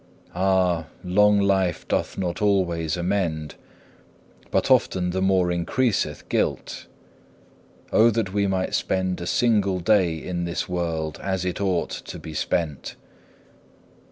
Ah! long life doth not always amend, but often the more increaseth guilt. Oh that we might spend a single day in this world as it ought to be spent!